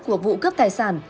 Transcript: của vụ cướp tài sản